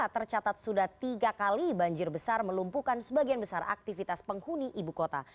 tercatat sudah tiga kali banjir besar melumpuhkan sebagian besar aktivitas penghuni ibu kota